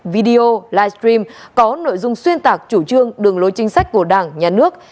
video live stream có nội dung xuyên tạc chủ trương đường lối chính sách của đảng nhà nước